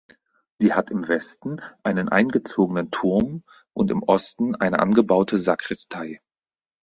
Sie hat im Westen einen eingezogenen Turm und im Osten eine angebaute Sakristei.